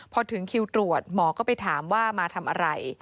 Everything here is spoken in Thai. พอถึงคิวตรวจหมอก็ไปถามว่ามาทำอะไร